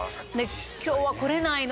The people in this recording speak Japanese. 「今日は来れないの？